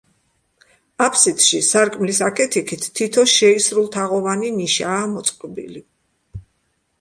აფსიდში, სარკმლის აქეთ-იქით, თითო შეისრულთაღოვანი ნიშაა მოწყობილი.